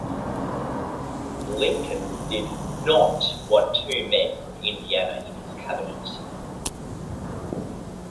Lincoln did not want two men from Indiana in his cabinet.